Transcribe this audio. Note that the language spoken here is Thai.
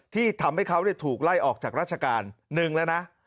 ที่ทำให้เขาถูกไล่ออกจากราชการหนึ่งแล้วนะ